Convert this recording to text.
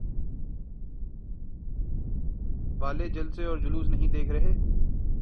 والے جلسے اور جلوس نہیں دیکھ رہے؟